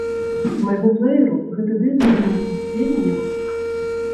З майго плэеру гэты дыск знікне вельмі не хутка.